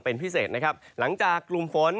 เป็นพิเศษนะครับหลังจากกลุ่มฝน